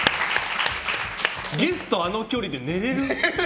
ゲストあの距離で寝れる？